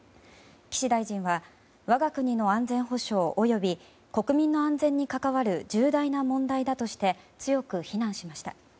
岸大臣は我が国の安全保障および国民の安全に関わる重大な問題だとして強く非難しました。